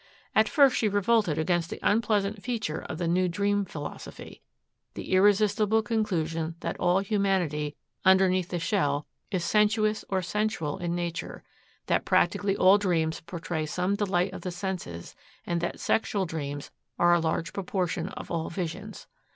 At first she revolted against the unpleasant feature of the new dream philosophy the irresistible conclusion that all humanity, underneath the shell, is sensuous or sensual in nature, that practically all dreams portray some delight of the senses and that sexual dreams are a large proportion of all visions.